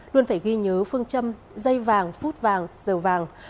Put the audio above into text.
luôn phải ghi nhớ phương châm dây vàng phút vàng dầu vàng